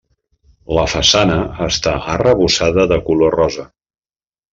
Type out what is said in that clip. La façana està arrebossada de color rosa.